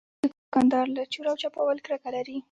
دوکاندار له چور او چپاول کرکه لري.